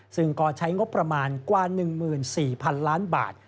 ซึ่งก็ใช้งบประมาณกว่า๑๔๐๐๐ล้านบาท